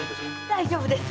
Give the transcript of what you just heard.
大丈夫です。